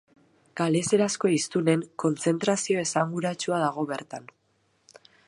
Galeserazko hiztunen kontzentrazio esanguratsua dago bertan.